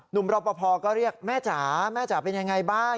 รอปภก็เรียกแม่จ๋าแม่จ๋าเป็นยังไงบ้าง